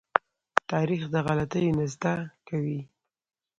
تاریخ د غلطيو نه زده کوي.